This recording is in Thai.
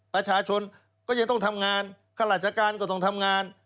ประชาชนก็จะต้องทำงานข้าราชการก็ต้องทำงาน